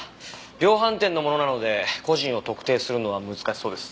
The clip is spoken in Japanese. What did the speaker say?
量販店のものなので個人を特定するのは難しそうです。